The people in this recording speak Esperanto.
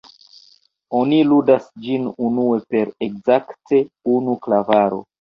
Oni ludas ĝin unue per ekzakte unu klavaro.